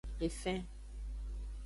Efen.